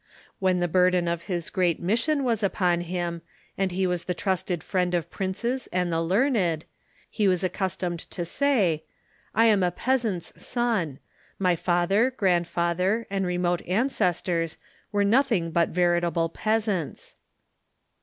When the burden of his great mission was npon him, and he was the trusted friend of princes and the learned, he was accus tomed to say: "I am a peasant's son ; ray father, grandfather, and remote ancestors were nothing but veritable peasants."